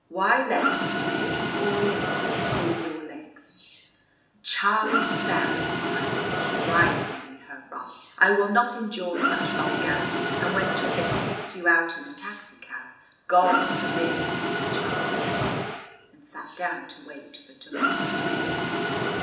Why let a sticky Oriental pull your legs " "Charlie Sands!" cried Tish, rising in her wrath. "I will not endure such vulgarity. And when Tufik takes you out in a taxicab " "God forbid!" said Charlie Sands, and sat down to wait for Tufik's sister.